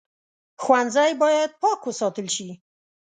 ښوونځی باید پاک وساتل شي